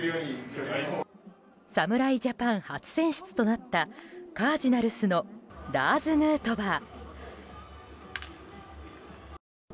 侍ジャパン初選出となったカージナルスのラーズ・ヌートバー。